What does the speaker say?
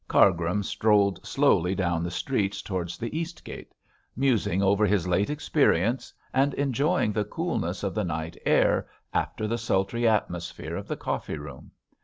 Cargrim strolled slowly down the street towards the Eastgate, musing over his late experience, and enjoying the coolness of the night air after the sultry atmosphere of the coffee room.